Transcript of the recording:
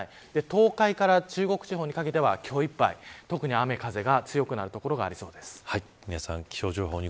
東海から中国地方にかけては今日いっぱい特に雨風が強くなる所が皆さん